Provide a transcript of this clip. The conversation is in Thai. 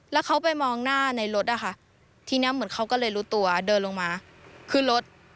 ที่นี่เหมือนเขาก็เลยรู้ตัวเดินลงมาขึ้นรถ